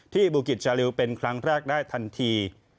บูกิจชาลิวเป็นครั้งแรกได้ทันที